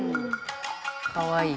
かわいい。